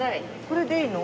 これでいいの？